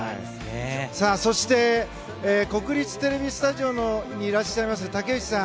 そして、国立ＴＶスタジオにいらっしゃいます武内さん